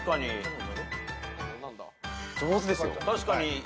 確かに。